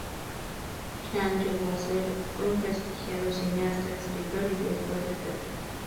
Jean llegó a ser un prestigiado cineasta, escritor y director de teatro.